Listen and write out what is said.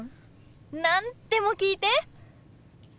何でも聞いて。